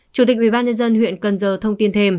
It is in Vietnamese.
chủ tịch ubnd huyện cần giờ thông tin thêm